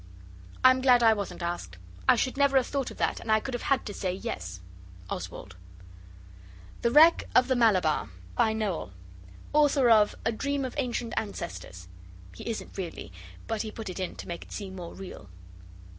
I'm glad I wasn't asked. I should never have thought of that, and I could have had to say 'Yes.' OSWALD. THE WRECK OF THE 'MALABAR' By Noel (Author of 'A Dream of Ancient Ancestors.') He isn't really but he put it in to make it seem more real.